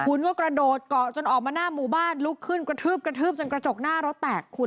คุณก็กระโดดเกาะจนออกมาหน้าหมู่บ้านลุกขึ้นกระทืบกระทืบจนกระจกหน้ารถแตกคุณ